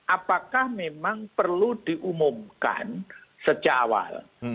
apakah memang perlu diumumkan sejak awal